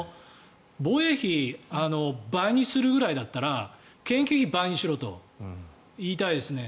防衛費、倍にするぐらいだったら研究費を倍にしろと言いたいですね。